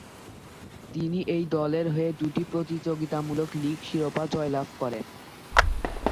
তিনি এই দলের হয়ে দুটি প্রতিযোগিতামূলক লীগ শিরোপা জয়লাভ করেন।